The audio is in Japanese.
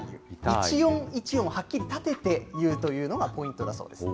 一音一音はっきりたてて言うというのがポイントだそうです。